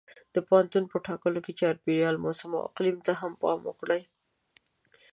د پوهنتون په ټاکلو کې چاپېریال، موسم او اقلیم ته هم پام وکړئ.